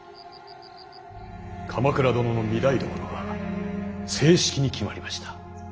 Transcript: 鎌倉殿の御台所が正式に決まりました。